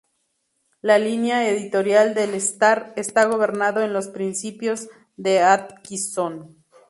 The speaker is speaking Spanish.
La línea editorial del "Star" está gobernado en los "principios de Atkinson".